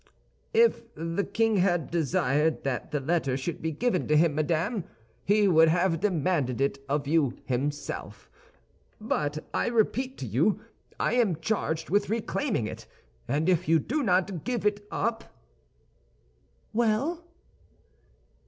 "If the king had desired that the letter should be given to him, madame, he would have demanded it of you himself. But I repeat to you, I am charged with reclaiming it; and if you do not give it up—" "Well?"